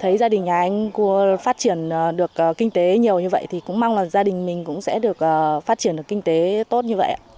thấy gia đình nhà anh phát triển được kinh tế nhiều như vậy thì cũng mong là gia đình mình cũng sẽ được phát triển được kinh tế tốt như vậy ạ